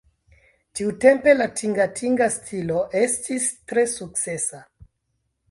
Tiutempe la tingatinga stilo estis tre sukcesa.